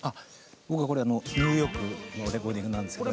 僕はこれニューヨークのレコーディングなんですけど。